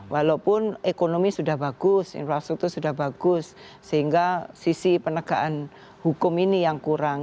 walaupun ekonomi sudah bagus infrastruktur sudah bagus sehingga sisi penegaan hukum ini yang kurang